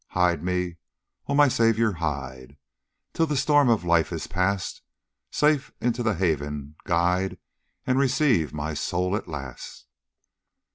Hide me, O my Saviour, hide, Till the storm of life is past; Safe into the haven guide And receive my soul at last."